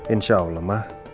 insya allah ma